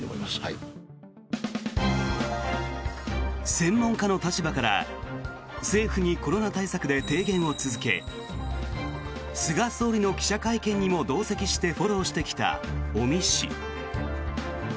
専門家の立場から政府にコロナ対策で提言を続け菅総理の記者会見にも同席してフォローしてきた尾身氏。